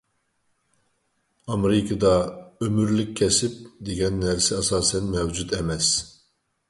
ئامېرىكىدا «ئۆمۈرلۈك كەسىپ» دېگەن نەرسە ئاساسەن مەۋجۇت ئەمەس.